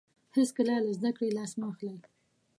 هیڅکله له زده کړې لاس مه اخلئ.